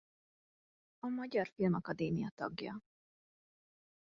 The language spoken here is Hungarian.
A Magyar Filmakadémia tagja.